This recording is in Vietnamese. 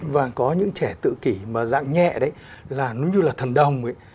và có những trẻ tự kỷ mà dạng nhẹ đấy là nó như là thần đồng ấy